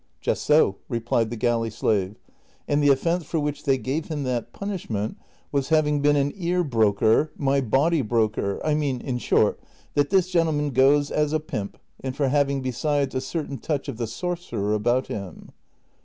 " Just so," replied the galley slave, " and the offence for which they gave him that punishment was having been an ear broker, nay body broker ; 1 mean, in short, that this gentle ■ man goes as a pimp, and for having besides a certain touch of the sorcerer about him."